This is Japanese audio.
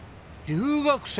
留学生。